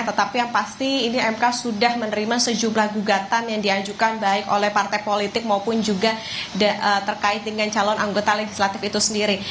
tetapi yang pasti ini mk sudah menerima sejumlah gugatan yang diajukan baik oleh partai politik maupun juga terkait dengan calon anggota legislatif itu sendiri